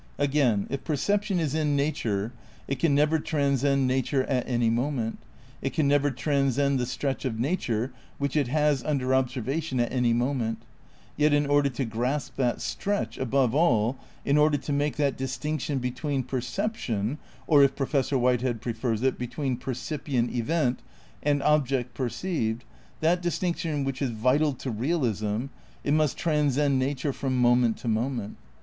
Again, if perception is in nature it can never tran scend nature at any moment ; it can never transcend the stretch of nature which it has under observation at any moment ; yet in order to grasp that stretch, above all, in order to make that distinction between perception, or if Professor Whitehead prefers it, between '' percip ient event" and object perceived, that distinction which is vital to realism, it must transcend nature from mo ment to moment.